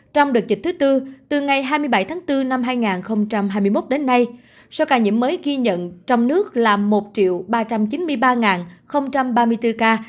trong đợt dịch thứ tư từ ngày hai mươi bảy tháng bốn năm hai nghìn hai mươi một đến nay số ca nhiễm mới ghi nhận trong nước là một ba trăm chín mươi ba ba mươi bốn ca